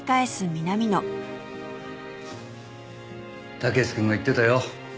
武志くんが言ってたよ。